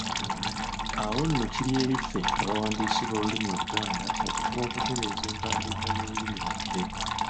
Awo nno kiri eri ffe abawandiisi b'olulimi Oluganda okufuba okutereeza empandiika y'olulimi lwaffe.